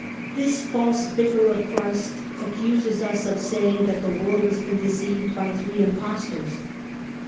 This false Vicar of Christ accuses us of saying that the world has been deceived by three Impostors.